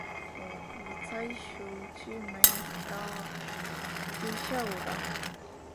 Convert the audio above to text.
呃，我才出门没多久，就下雨了